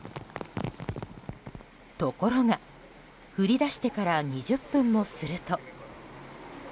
ところが、降り出してから２０分もすると。